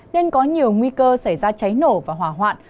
nên có nhiều nguy cơ xảy ra cháy nổ và hỏa hoạn